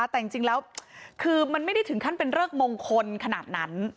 แต่จริงแล้วคือมันไม่ได้ถึงขั้นเป็นเริกมงคลขนาดนั้น